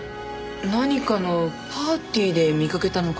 何かのパーティーで見かけたのかしら？